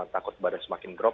takut badan semakin drop